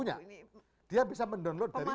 punya dia bisa mendownload dari ini